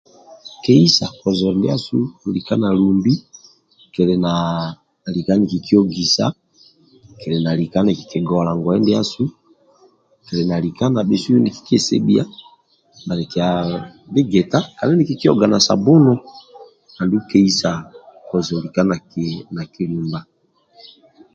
Kehisa kozo ndiasu lika nalubhi kilina lika nikikihogisa kilina lika niki gola ngoye ndiasu kilinalika nabhesu nikikwesebhiya bhanikya bhigita kadi nikikihoga na sabunu adu kehisa kozo lika nakilubha